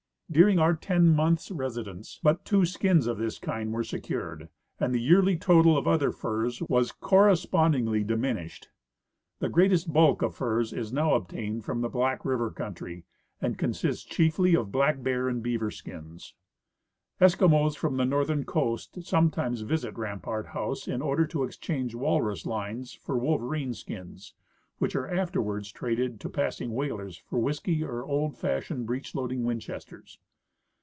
During our ten months' residence but two skins of this kind were secured, and the yearly total of other furs has correspond ingly diminished. The greatest bulk of furs is now obtained from the Black river country, and consists chiefly of black bear and beaver skins. Eskimos from the northern coast sometimes visit Rampart house in order to exchange walrus lines for wolverine skins, which are afterwards traded to passing whalers for whisky or old fashioned breech loading Winchesters.